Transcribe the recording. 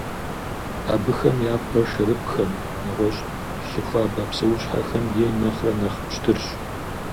Абыхэм я пкъыр шэрыпӀхэм, нэгъуэщӀ лъы хуабэ псэущхьэхэм ейм нэхърэ нэхъ пщтырщ.